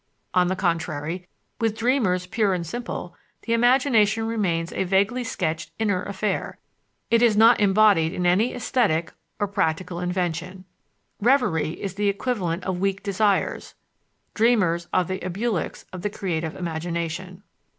On the contrary, with dreamers pure and simple, the imagination remains a vaguely sketched inner affair; it is not embodied in any esthetic or practical invention. Revery is the equivalent of weak desires; dreamers are the abulics of the creative imagination.